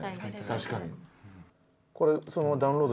確かに。